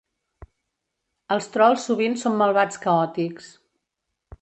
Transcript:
Els trols sovint són malvats caòtics.